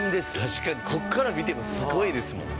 確かにここから見てもすごいですもん。